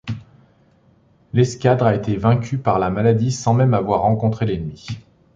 L'escadre a été vaincue par la maladie sans même avoir rencontré l'ennemi.